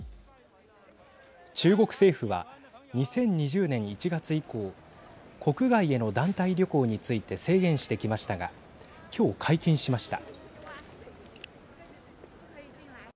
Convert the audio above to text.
中国政府は２０２０年１月以降国外への団体旅行について制限してきましたが今日解禁しました。